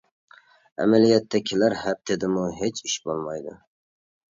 ئەمەلىيەتتە كېلەر ھەپتىدىمۇ ھېچ ئىش بولمايدۇ.